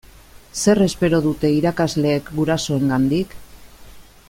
Zer espero dute irakasleek gurasoengandik?